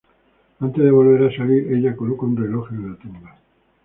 Antes de volver a salir, ella coloca un reloj en la tumba.